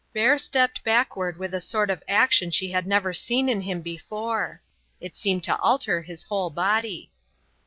Bert stepped backward with a sort of action she had never seen in him before. It seemed to alter his whole body.